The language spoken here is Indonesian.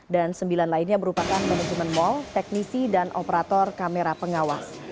dan sembilan lainnya berupakan penunjuman mal teknisi dan operator kamera pengawas